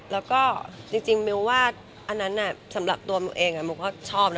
แล้วก็จริงมิวว่าอันนั้นสำหรับตัวโมเองโมก็ชอบนะ